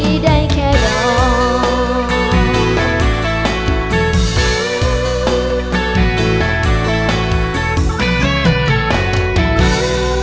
ได้แค่ดอก